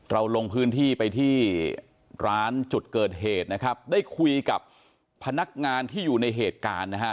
ลงพื้นที่ไปที่ร้านจุดเกิดเหตุนะครับได้คุยกับพนักงานที่อยู่ในเหตุการณ์นะฮะ